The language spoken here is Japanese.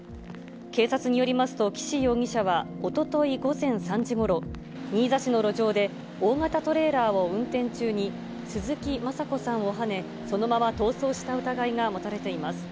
警察によりますと、岸容疑者はおととい午前３時ごろ、新座市の路上で、大型トレーラーを運転中に、鈴木政子さんをはね、そのまま逃走した疑いが持たれています。